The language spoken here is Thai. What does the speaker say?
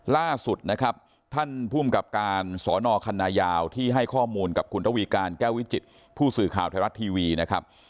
ล่าสุดนะครับท่านภูมิกับการสอนอคันนายาวที่ให้ข้อมูลกับคุณระวีการแก้ววิจิตผู้สื่อข่าวไทยรัฐทีวีนะครับ